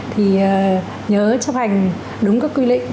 thì nhớ chấp hành đúng các quy lệ